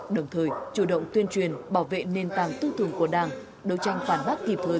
đồng thời chủ động tuyên truyền bảo vệ nền tảng tư tưởng của đảng đấu tranh phản bác kịp thời